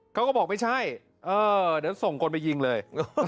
เขาก็บอกไม่ใช่เออเดี๋ยวส่งคนไปยิงเลย